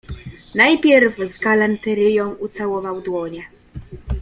Najpierw z galanteryją ucałował dłonie